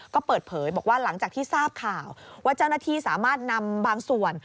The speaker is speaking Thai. ก็เปิดเผยบอกว่าหลังจากที่ทราบข่าวว่าเจ้าหน้าที่สามารถนำบางส่วน